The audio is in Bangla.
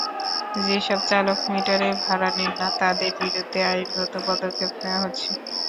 যেসব চালক মিটারে ভাড়া নেন না, তাঁদের বিরুদ্ধে আইনগত পদক্ষেপ নেওয়া হচ্ছে।